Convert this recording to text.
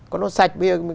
có nó sạch bây giờ